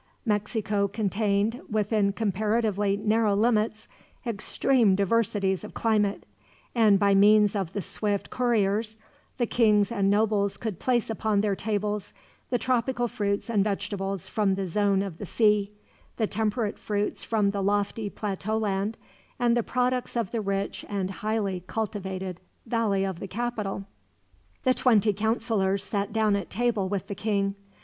Mexico contained, within comparatively narrow limits, extreme diversities of climate; and by means of the swift couriers, the kings and nobles could place upon their tables the tropical fruits and vegetables from the zone of the sea, the temperate fruits from the lofty plateau land, and the products of the rich and highly cultivated valley of the capital. The twenty counselors sat down at table with the king.